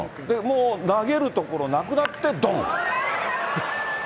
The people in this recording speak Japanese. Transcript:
もう投げる所なくなってどん。